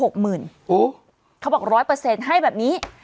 เขาบอก๑๐๐ให้แบบนี้